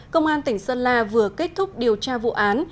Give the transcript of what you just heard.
công an tỉnh sơn la vừa kết thúc điều tra vụ án